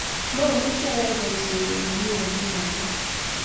mamuchi ayai poishenyu komie amu wakat